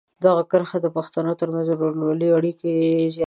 دغه کرښه د پښتنو ترمنځ د ورورولۍ اړیکې زیانمنوي.